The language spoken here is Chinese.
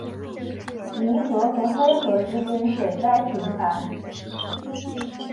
泥河和黑河之间水灾频繁。